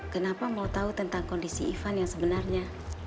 kenapa mau tahu tentang kondisi ivan yang sebenarnya